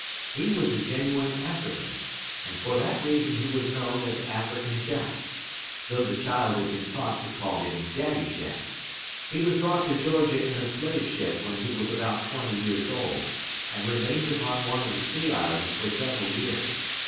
He was a genuine African, and for that reason he was known as African Jack, though the child had been taught to call him Daddy Jack. He was brought to Georgia in a slave ship when he was about twenty years old, and remained upon one of the sea islands for several years.